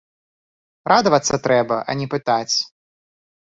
Радавацца трэба, а не пытаць.